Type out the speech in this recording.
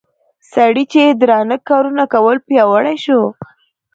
سړي چې درانه کارونه کول پياوړى شو